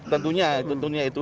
tentunya tentunya itu